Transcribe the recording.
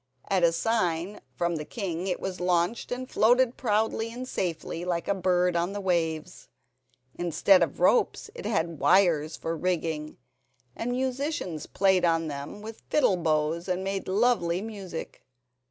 At a sign from the king it was launched, and floated proudly and safely like a bird on the waves. Instead of ropes it had wires for rigging, and musicians played on them with fiddle bows and made lovely music.